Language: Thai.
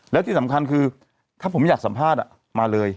แล้วที่สำคัญคือถ้าผมอยากสัมภาษณ์มาเลย